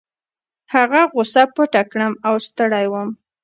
هغه غوسه پټه کړم او ستړی وم.